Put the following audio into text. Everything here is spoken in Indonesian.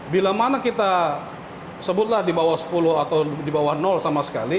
bila mana kita sebutlah di bawah sepuluh atau di bawah sama sekali